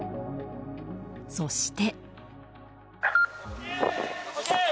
そして。